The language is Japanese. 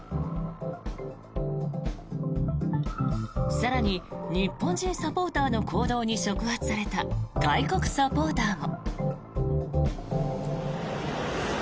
更に日本人サポーターの行動に触発された外国サポーターも。